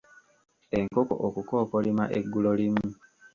Enkoko okukookolima eggulo limu.